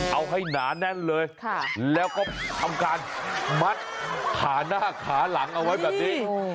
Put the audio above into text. เอาให้หนาแน่นเลยแล้วก็ทำการมัดขาหน้าขาหลังเอาไว้แบบนี้